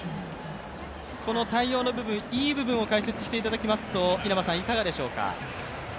この対応の部分、いい部分を解説していただきますといかがでしょうか。